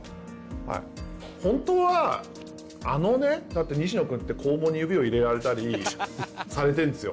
本当はあのねだって西野君って肛門に指を入れられたりされてるんですよ。